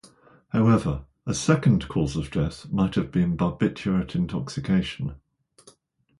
However, a second cause of death might have been barbiturate intoxication.